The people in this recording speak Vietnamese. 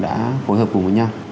đã hội hợp cùng với nhau